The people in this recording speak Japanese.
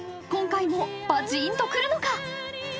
［今回もバチーンとくるのか？］